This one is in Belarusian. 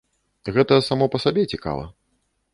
Гэта само па сабе цікава.